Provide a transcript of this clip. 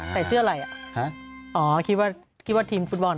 ใส่เสื้ออะไรอ่ะฮะอ๋อคิดว่าคิดว่าทีมฟุตบอล